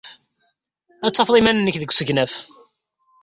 Ad d-tafed iman-nnek deg usegnaf.